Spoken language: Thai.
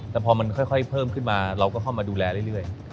แต่พอมันค่อยเพิ่มขึ้นมาเราก็เข้ามาดูแลเรื่อย